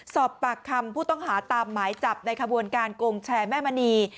สอบปากคำผู้ต้องหาตามหมายจับในขบวนการโกงแชร์แม่มณี